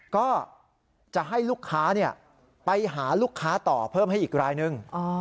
ก็จะให้ลูกค้าไปหาลูกค้าต่อเพิ่มให้อีกรายหนึ่ง